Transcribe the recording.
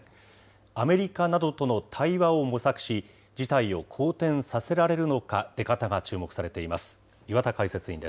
アメリカなどとの対話を模索し、事態を好転させられるのか、出方が注目されています。